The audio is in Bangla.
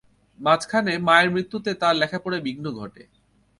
মাঝখানে মায়ের মৃত্যুতে তার লেখাপড়ায় বিঘ্ন ঘটে।